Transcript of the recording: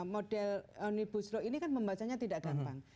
model omnibus law ini kan membacanya tidak gampang